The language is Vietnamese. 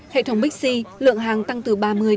hệ thống bích si lượng hàng tăng từ ba mươi bốn mươi